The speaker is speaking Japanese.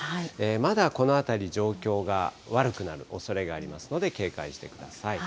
まだこの辺り、状況が悪くなるおそれがありますので、警戒してください。